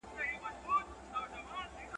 • يو وار ئې زده که بيا ئې در کوزده که.